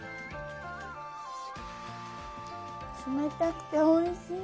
冷たくておいしい！